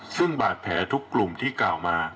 ซึ่งบาดแผลทุกกลุ่มที่กล่าวมา